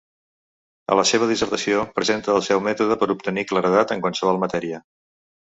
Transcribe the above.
A la seva dissertació, presenta el seu mètode per obtenir claredat en qualsevol matèria.